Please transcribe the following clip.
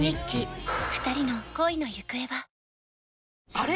あれ？